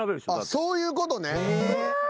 そういうことね。